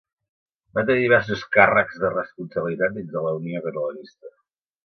Va tenir diversos càrrecs de responsabilitat dins de la Unió Catalanista.